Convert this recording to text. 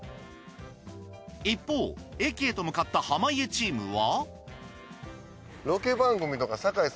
一方駅へと向かった濱家チームは。